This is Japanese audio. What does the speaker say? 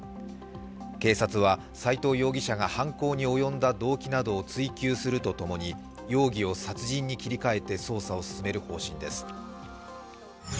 警察は斉藤容疑者が犯行に及んだ動機などを追及するとともに容疑を殺人に切り替えて捜査をする方針です。